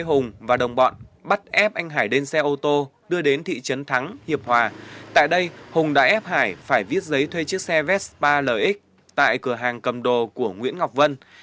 hùng hưng dẫn hải phải viết giấy thuê chiếc xe vespa lx tại cửa hàng cầm đồ của nguyễn ngọc vân